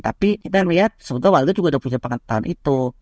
tapi kita lihat sebetulnya waktu itu juga sudah punya pengantin tahun itu